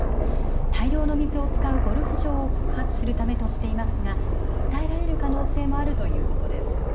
大量の水を使うゴルフ場を告発するためとしていますが、訴えられる可能性もあるということです。